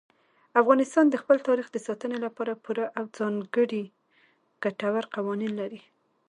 افغانستان د خپل تاریخ د ساتنې لپاره پوره او ځانګړي ګټور قوانین لري.